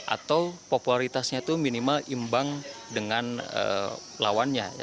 atau popularitasnya itu minimal imbang dengan lawannya